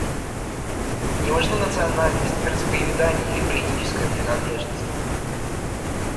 И не важны национальность, вероисповедание или политическая принадлежность.